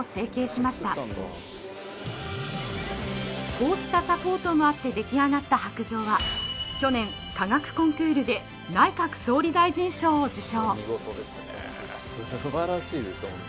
こうしたサポートもあって出来上がった白杖は去年科学コンクールで内閣総理大臣賞を受賞。